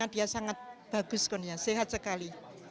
dia sangat bagus kondisinya sehat sekali